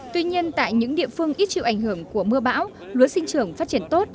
tuy nhiên tại những địa phương ít chịu ảnh hưởng của mưa bão lúa sinh trưởng phát triển tốt